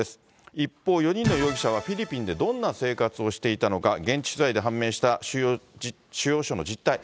一方、４人の容疑者は、フィリピンでどんな生活をしていたのか、現地取材で判明した収容所の実態。